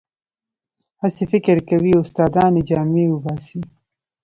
هسې فکر کوي استادان یې جامې وباسي.